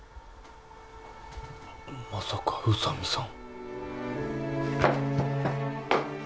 まさか宇佐美さん！？